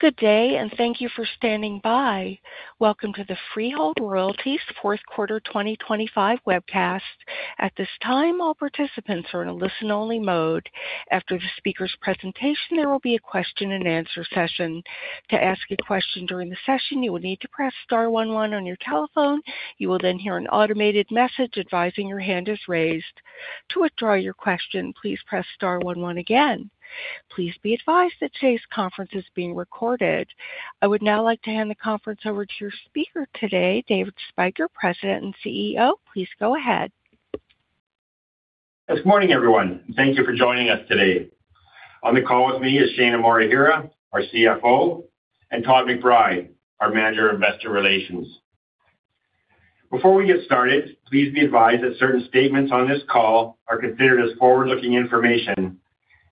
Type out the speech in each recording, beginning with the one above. Good day, and thank you for standing by. Welcome to the Freehold Royalties Fourth Quarter 2025 webcast. At this time, all participants are in a listen-only mode. After the speaker's presentation, there will be a question-and-answer session. To ask a question during the session, you will need to press star one one on your telephone. You will then hear an automated message advising your hand is raised. To withdraw your question, please press star one one again. Please be advised that today's conference is being recorded. I would now like to hand the conference over to your speaker today, David Spyker, President and CEO. Please go ahead. Good morning, everyone. Thank you for joining us today. On the call with me is Shaina Morihira, our CFO, and Todd McBride, our Manager of Investor Relations. Before we get started, please be advised that certain statements on this call are considered as forward-looking information,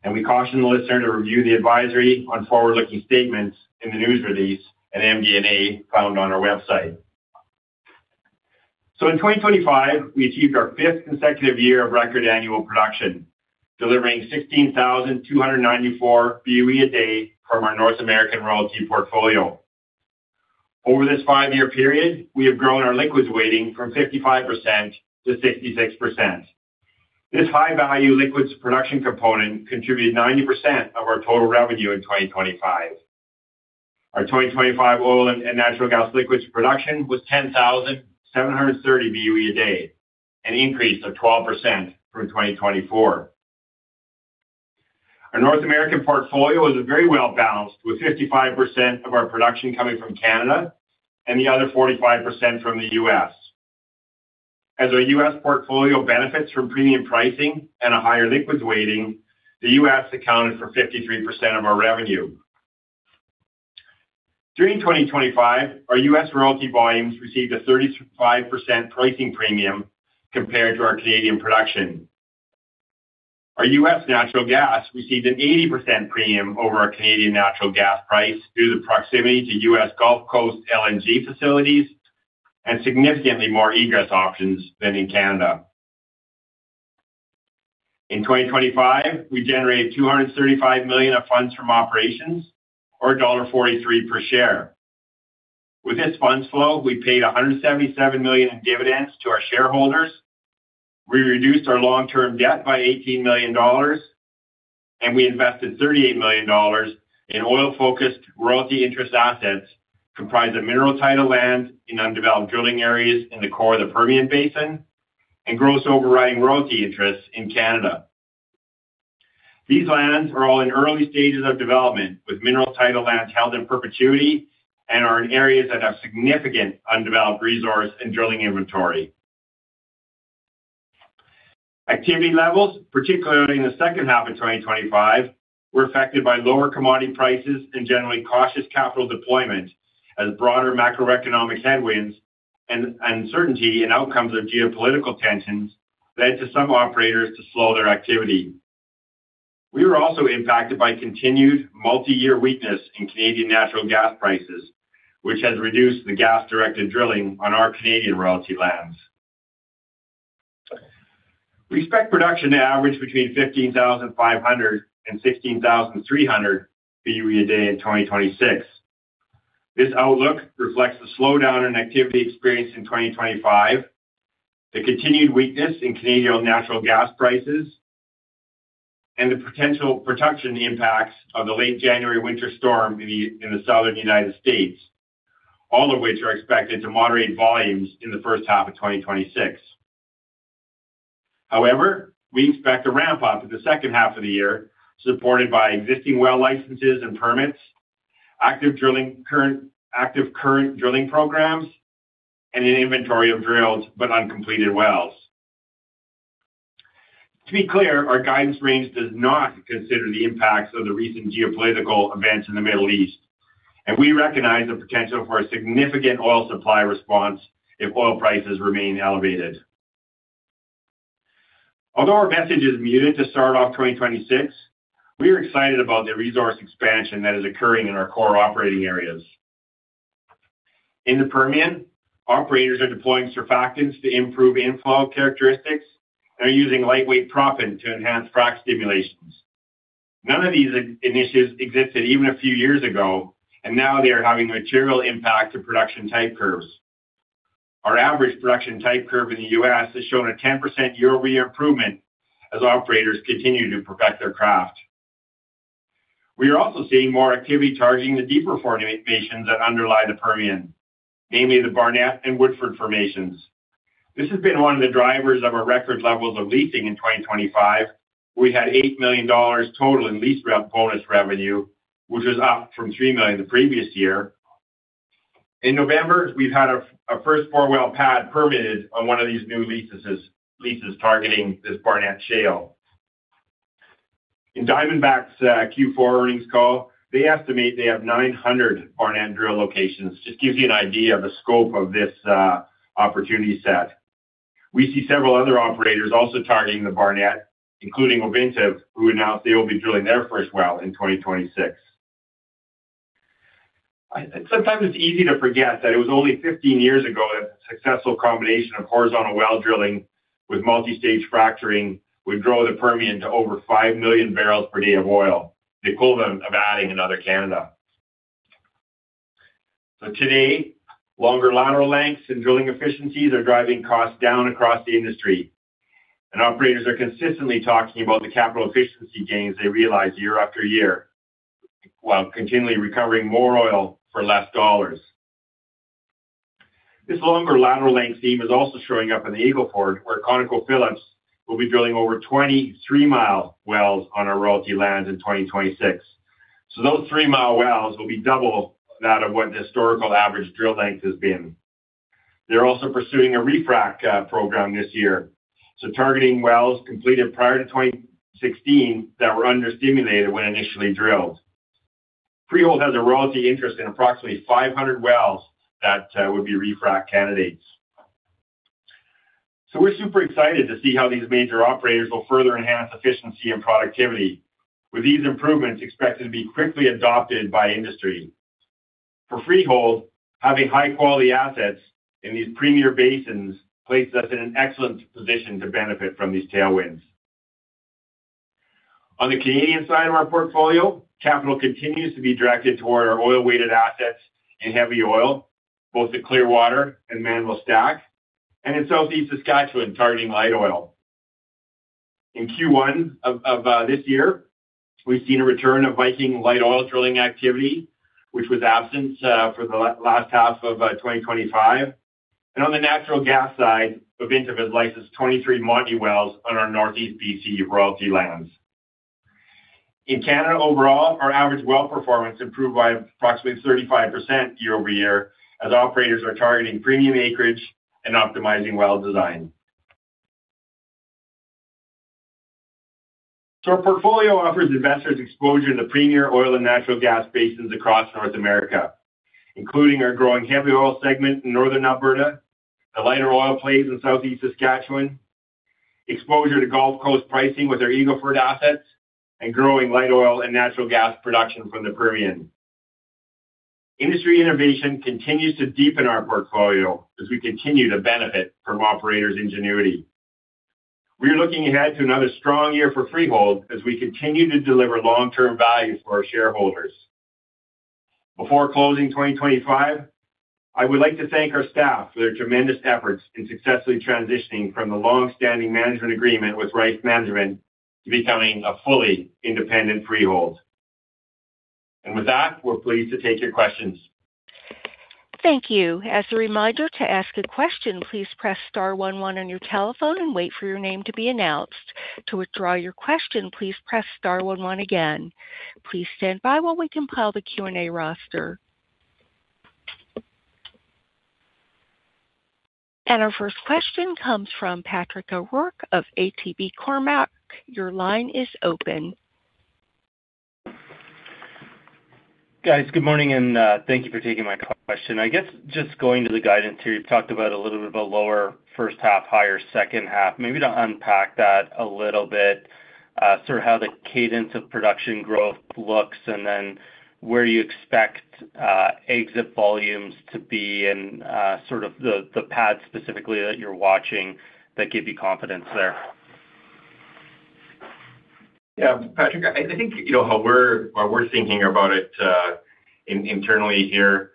and we caution the listener to review the advisory on forward-looking statements in the news release and MD&A found on our website. In 2025, we achieved our fifth consecutive year of record annual production, delivering 16,294 BOE a day from our North American royalty portfolio. Over this five-year period, we have grown our liquids weighting from 55% to 66%. This high-value liquids production component contributed 90% of our total revenue in 2025. Our 2025 oil and natural gas liquids production was 10,730 BOE a day, an increase of 12% from 2024. Our North American portfolio is very well balanced, with 55% of our production coming from Canada and the other 45% from the US. As our US portfolio benefits from premium pricing and a higher liquids weighting, the US accounted for 53% of our revenue. During 2025, our US royalty volumes received a 35% pricing premium compared to our Canadian production. Our US natural gas received an 80% premium over our Canadian natural gas price due to the proximity to US Gulf Coast LNG facilities and significantly more egress options than in Canada. In 2025, we generated 235 million of funds from operations, or dollar 1.43 per share. With this funds flow, we paid 177 million in dividends to our shareholders. We reduced our long-term debt by 18 million dollars, and we invested 38 million dollars in oil-focused royalty interest assets comprised of mineral title land in undeveloped drilling areas in the core of the Permian Basin and gross overriding royalty interests in Canada. These lands are all in early stages of development, with mineral title lands held in perpetuity and are in areas that have significant undeveloped resource and drilling inventory. Activity levels, particularly in the second half of 2025, were affected by lower commodity prices and generally cautious capital deployment as broader macroeconomic headwinds and uncertainty in outcomes of geopolitical tensions led to some operators to slow their activity. We were also impacted by continued multiyear weakness in Canadian natural gas prices, which has reduced the gas-directed drilling on our Canadian royalty lands. We expect production to average between 15,500 and 16,300 BOE a day in 2026. This outlook reflects the slowdown in activity experienced in 2025, the continued weakness in Canadian natural gas prices, and the potential production impacts of the late January winter storm in the Southern United States, all of which are expected to moderate volumes in the first half of 2026. However, we expect a ramp up in the second half of the year, supported by existing well licenses and permits, active current drilling programs, and an inventory of drilled but uncompleted wells. To be clear, our guidance range does not consider the impacts of the recent geopolitical events in the Middle East, and we recognize the potential for a significant oil supply response if oil prices remain elevated. Although our message is muted to start off 2026, we are excited about the resource expansion that is occurring in our core operating areas. In the Permian, operators are deploying surfactants to improve inflow characteristics and are using lightweight proppant to enhance frac stimulation. None of these initiatives existed even a few years ago, and now they are having material impact to production type curves. Our average production type curve in the U.S. has shown a 10% year-over-year improvement as operators continue to perfect their craft. We are also seeing more activity targeting the deeper formations that underlie the Permian, namely the Barnett and Woodford formations. This has been one of the drivers of our record levels of leasing in 2025. We had 8 million dollars total in lease bonus revenue, which was up from 3 million the previous year. In November, we've had a first four-well pad permitted on one of these new leases targeting this Barnett Shale. In Diamondback's Q4 earnings call, they estimate they have 900 Barnett drill locations. Just gives you an idea of the scope of this opportunity set. We see several other operators also targeting the Barnett, including Ovintiv, who announced they will be drilling their first well in 2026. Sometimes it's easy to forget that it was only 15 years ago that successful combination of horizontal well drilling with multi-stage fracturing would grow the Permian to over 5 million barrels per day of oil. They call it adding another Canada. Today, longer lateral lengths and drilling efficiencies are driving costs down across the industry, and operators are consistently talking about the capital efficiency gains they realize year after year, while continually recovering more oil for less dollars. This longer lateral length theme is also showing up in the Eagle Ford, where ConocoPhillips will be drilling over 23-mile wells on our royalty land in 2026. Those three-mile wells will be double that of what the historical average drill length has been. They're also pursuing a refrac program this year, so targeting wells completed prior to 2016 that were understimulated when initially drilled. Freehold has a royalty interest in approximately 500 wells that would be refrac candidates. We're super excited to see how these major operators will further enhance efficiency and productivity, with these improvements expected to be quickly adopted by industry. For Freehold, having high-quality assets in these premier basins places us in an excellent position to benefit from these tailwinds. On the Canadian side of our portfolio, capital continues to be directed toward our oil-weighted assets in heavy oil, both at Clearwater and Mannville stack, and in Southeast Saskatchewan, targeting light oil. In Q1 of this year, we've seen a return of Viking light oil drilling activity, which was absent for the last half of 2025. On the natural gas side of In there we've had License 23 Montney wells on our Northeast B.C. royalty lands. In Canada overall, our average well performance improved by approximately 35% year-over-year as operators are targeting premium acreage and optimizing well design. Our portfolio offers investors exposure to premier oil and natural gas basins across North America, including our growing heavy oil segment in Northern Alberta, the lighter oil plays in Southeast Saskatchewan, exposure to Gulf Coast pricing with our Eagle Ford assets, and growing light oil and natural gas production from the Permian. Industry innovation continues to deepen our portfolio as we continue to benefit from operators' ingenuity. We are looking ahead to another strong year for Freehold as we continue to deliver long-term value for our shareholders. Before closing 2025, I would like to thank our staff for their tremendous efforts in successfully transitioning from the long-standing management agreement with Rife Management to becoming a fully independent Freehold. With that, we're pleased to take your questions. Thank you. As a reminder to ask a question, please press star one one on your telephone and wait for your name to be announced. To withdraw your question, please press star one one again. Please stand by while we compile the Q&A roster. Our first question comes from Patrick O'Rourke of ATB Capital Markets. Your line is open. Guys, good morning, thank you for taking my question. I guess just going to the guidance here, you've talked about a little bit of a lower first half, higher second half. Maybe to unpack that a little bit, sort of how the cadence of production growth looks, and then where you expect, exit volumes to be and, sort of the path specifically that you're watching that give you confidence there. Yeah. Patrick, I think, you know, how we're thinking about it internally here,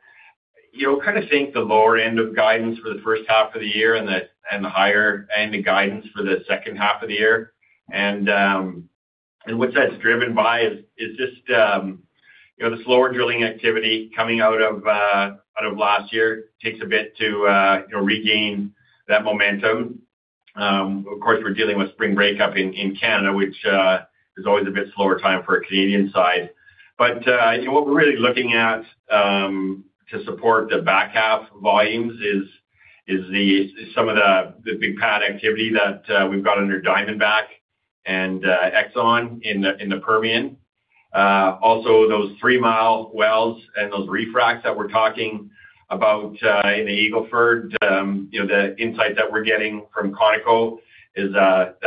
you know, kind of think the lower end of guidance for the first half of the year and the higher end of guidance for the second half of the year. What that's driven by is just, you know, the slower drilling activity coming out of last year takes a bit to regain that momentum. Of course, we're dealing with spring breakup in Canada, which is always a bit slower time for the Canadian side. But what we're really looking at to support the back half volumes is some of the big pad activity that we've got under Diamondback and Exxon in the Permian. Also those 3-mile wells and those refracs that we're talking about in the Eagle Ford, you know, the insight that we're getting from Conoco is that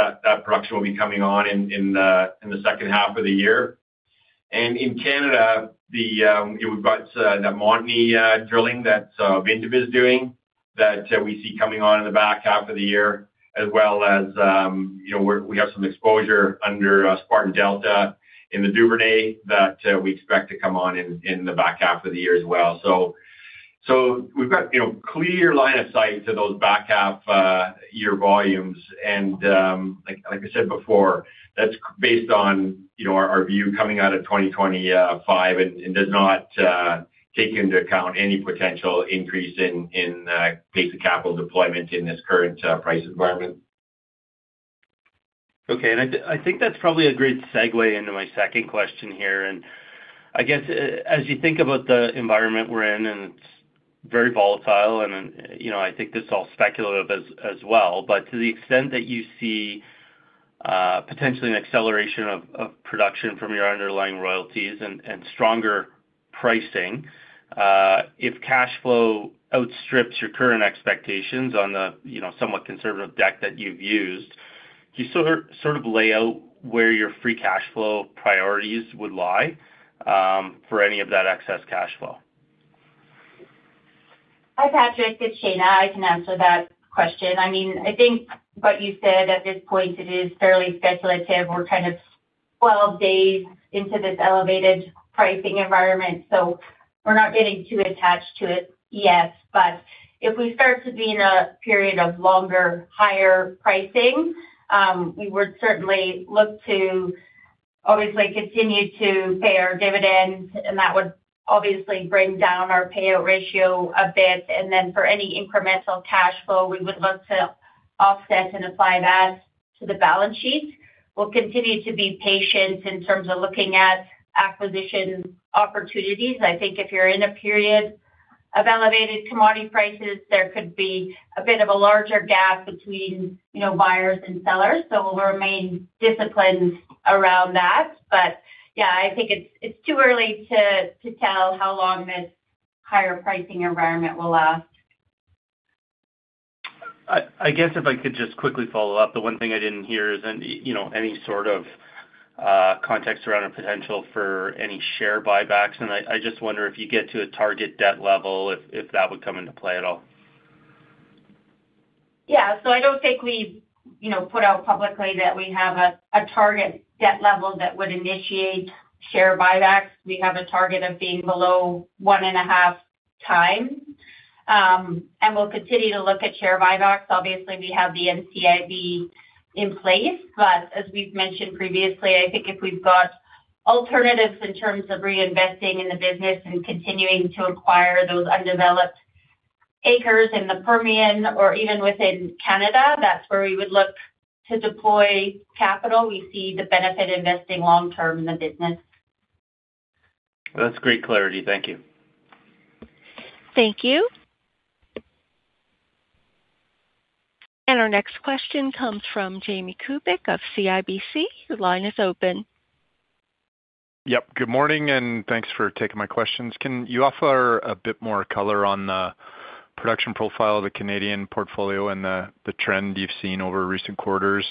production will be coming on in the second half of the year. In Canada, we've got the Montney drilling that Ovintiv is doing that we see coming on in the back half of the year, as well as, you know, we have some exposure under Spartan Delta in the Duvernay that we expect to come on in the back half of the year as well. We've got, you know, clear line of sight to those back half year volumes. Like I said before, that's based on, you know, our view coming out of 2025, and does not take into account any potential increase in basic capital deployment in this current price environment. Okay. I think that's probably a great segue into my second question here. I guess as you think about the environment we're in, and it's very volatile, and, you know, I think this is all speculative as well. To the extent that you see potentially an acceleration of production from your underlying royalties and stronger pricing, if cash flow outstrips your current expectations on the, you know, somewhat conservative deck that you've used, can you sort of lay out where your free cash flow priorities would lie for any of that excess cash flow? Hi, Patrick, it's Shaina. I can answer that question. I mean, I think what you said at this point, it is fairly speculative. We're kind of 12 days into this elevated pricing environment, so we're not getting too attached to it yet. If we start to be in a period of longer, higher pricing, we would certainly look to obviously continue to pay our dividends, and that would obviously bring down our payout ratio a bit. For any incremental cash flow, we would look to offset and apply that to the balance sheet. We'll continue to be patient in terms of looking at acquisition opportunities. I think if you're in a period of elevated commodity prices, there could be a bit of a larger gap between, you know, buyers and sellers. We'll remain disciplined around that. Yeah, I think it's too early to tell how long this higher pricing environment will last. I guess if I could just quickly follow up, the one thing I didn't hear is any, you know, any sort of, context around a potential for any share buybacks. I just wonder if you get to a target debt level if that would come into play at all. Yeah. I don't think we've, you know, put out publicly that we have a target debt level that would initiate share buybacks. We have a target of being below 1.5 times. We'll continue to look at share buybacks. Obviously, we have the NCIB in place, but as we've mentioned previously, I think if we've got alternatives in terms of reinvesting in the business and continuing to acquire those undeveloped acres in the Permian or even within Canada, that's where we would look to deploy capital. We see the benefit investing long term in the business. That's great clarity. Thank you. Thank you. Our next question comes from Jamie Kubik of CIBC. Your line is open. Yep. Good morning, and thanks for taking my questions. Can you offer a bit more color on the production profile of the Canadian portfolio and the trend you've seen over recent quarters?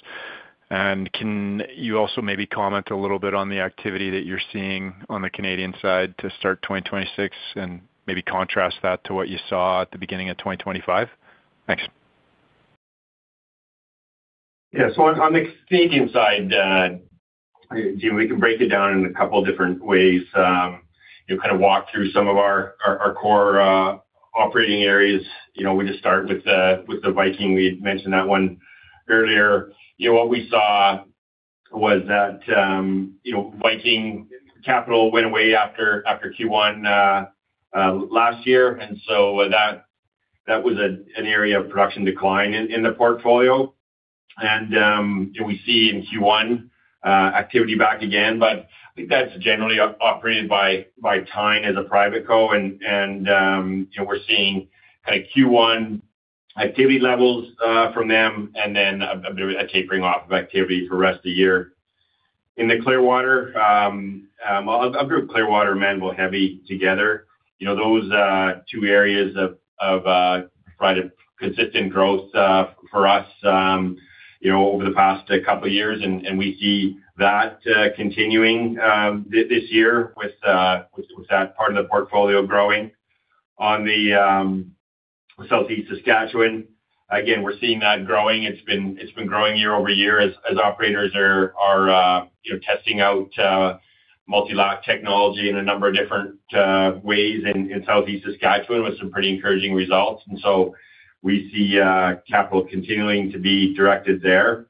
Can you also maybe comment a little bit on the activity that you're seeing on the Canadian side to start 2026 and maybe contrast that to what you saw at the beginning of 2025? Thanks. Yeah. On the Canadian side, Jamie Kubik, we can break it down in a couple different ways, you know, kind of walk through some of our core operating areas. You know, we just start with the Viking. We had mentioned that one earlier. You know, what we saw was that, you know, Viking Capital went away after Q1 last year, and that was an area of production decline in the portfolio. You know, we see in Q1 activity back again, but I think that's generally operated by Teine as a private co. You know, we're seeing kind of Q1 activity levels from them and then a bit of a tapering off of activity for the rest of the year. In the Clearwater, well, I'll group Clearwater and Mannville heavy together. You know, those two areas have provided consistent growth for us, you know, over the past couple years, and we see that continuing this year with that part of the portfolio growing. On the Southeast Saskatchewan, again, we're seeing that growing. It's been growing year over year as operators are you know testing out multilateral technology in a number of different ways in Southeast Saskatchewan with some pretty encouraging results. We see capital continuing to be directed there.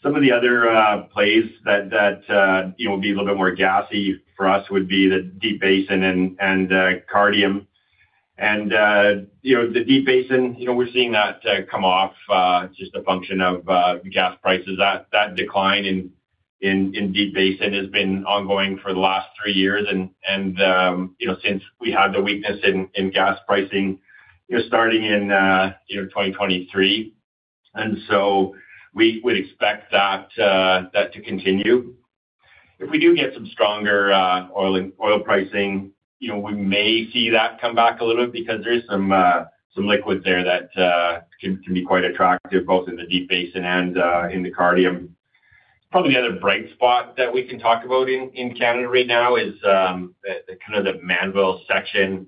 Some of the other plays that you know would be a little bit more gassy for us would be the Deep Basin and Cardium. You know, the Deep Basin, you know, we're seeing that come off just a function of gas prices. That decline in Deep Basin has been ongoing for the last three years and you know, since we had the weakness in gas pricing, you know, starting in 2023. We would expect that to continue. If we do get some stronger oil pricing, you know, we may see that come back a little bit because there is some liquid there that can be quite attractive both in the Deep Basin and in the Cardium. Probably the other bright spot that we can talk about in Canada right now is the kind of Mannville section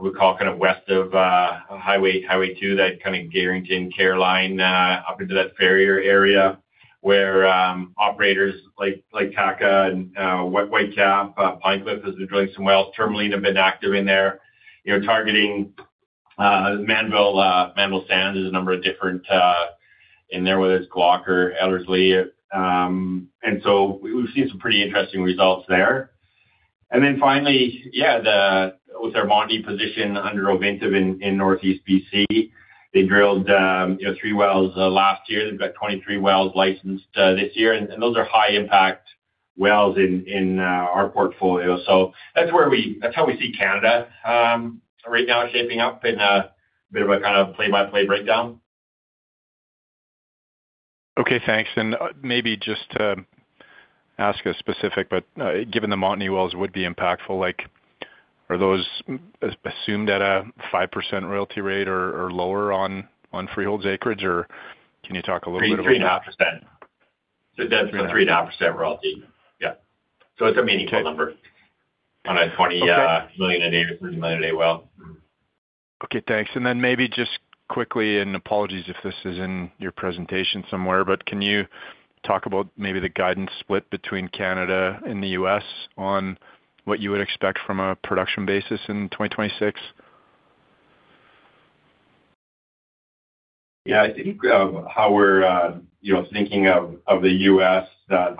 we call kind of west of Highway 2, that kind of Garrington Caroline up into that Ferrier area where operators like TAQA and Whitecap, Pine Cliff Energy has been drilling some wells. Tourmaline have been active in there. You know, targeting Mannville Sands. There's a number of different in there, whether it's Walker, Ellerslie. We've seen some pretty interesting results there. Finally, yeah, with our Boundary position under Ovintiv in Northeast BC, they drilled you know, 3 wells last year. They've got 23 wells licensed this year, and those are high impact wells in our portfolio. That's how we see Canada right now shaping up in a bit of a kind of play-by-play breakdown. Okay, thanks. Maybe just to ask a specific, but given the Montney wells would be impactful, like, are those assumed at a 5% royalty rate or lower on Freehold's acreage, or can you talk a little bit about- 3.5%. That's a 3.5% royalty. Yeah. It's a meaningful number on a 20 million-30 million a day well. Okay, thanks. Maybe just quickly, and apologies if this is in your presentation somewhere, but can you talk about maybe the guidance split between Canada and the U.S. on what you would expect from a production basis in 2026? Yeah. I think how we're you know thinking of the US that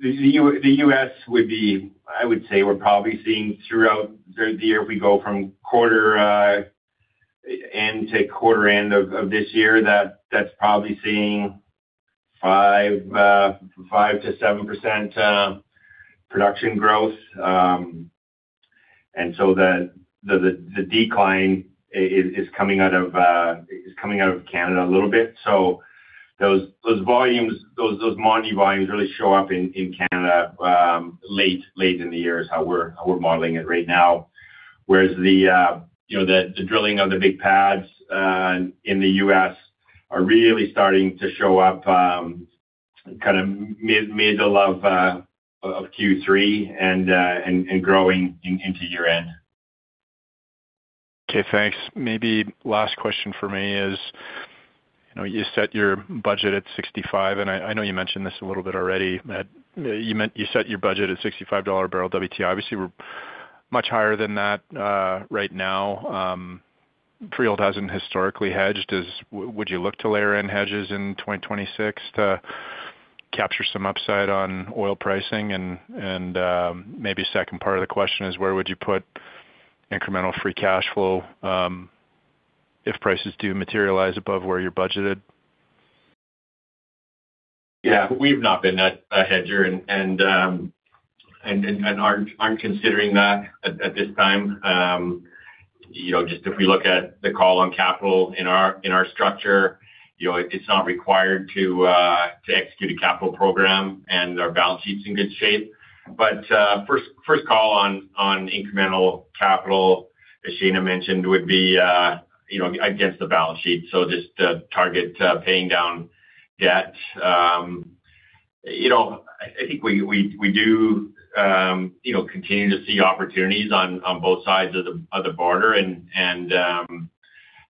the US would be. I would say we're probably seeing throughout the year we go from quarter end to quarter end of this year that that's probably seeing 5%-7% production growth. The decline is coming out of Canada a little bit. Those volumes those Montney volumes really show up in Canada late in the year is how we're modeling it right now. Whereas you know the drilling of the big pads in the US are really starting to show up kind of middle of Q3 and growing into year-end. Okay, thanks. Maybe last question for me is, you know, you set your budget at 65, and I know you mentioned this a little bit already, that you meant you set your budget at $65/barrel WTI. Obviously, we're much higher than that right now. Freehold hasn't historically hedged. Would you look to layer in hedges in 2026 to capture some upside on oil pricing? Maybe second part of the question is, where would you put incremental free cash flow if prices do materialize above where you're budgeted? Yeah. We've not been a hedger and aren't considering that at this time. You know, just if we look at the call on capital in our structure, you know, it's not required to execute a capital program, and our balance sheet's in good shape. First call on incremental capital, as Shaina mentioned, would be, you know, against the balance sheet, so just to target paying down debt. You know, I think we do, you know, continue to see opportunities on both sides of the border and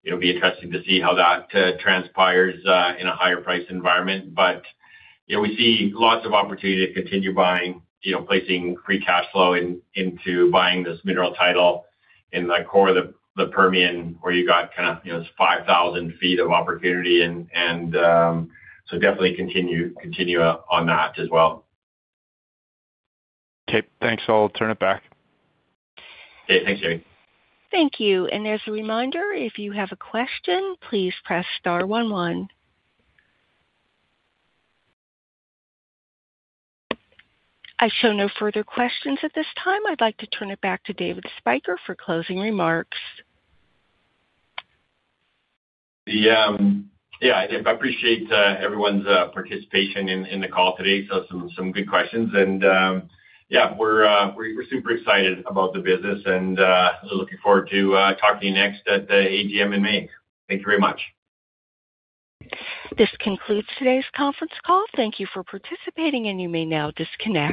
it'll be interesting to see how that transpires in a higher price environment. you know, we see lots of opportunity to continue buying, you know, placing free cash flow in, into buying this mineral title in the core of the Permian, where you got kind of, you know, this 5,000 feet of opportunity and so definitely continue on that as well. Okay, thanks. I'll turn it back. Okay. Thanks, Jamie Kubik. Thank you. As a reminder, if you have a question, please press star one one. I show no further questions at this time. I'd like to turn it back to David Spyker for closing remarks. Yeah, I appreciate everyone's participation in the call today. Saw some good questions and, yeah, we're super excited about the business and looking forward to talking to you next at the AGM in May. Thank you very much. This concludes today's conference call. Thank you for participating, and you may now disconnect.